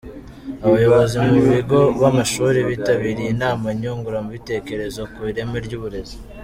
Abayobozi mu bigo by’amashuri bitabiriye inama nyunguranabitekerezo ku ireme ry’uburezi.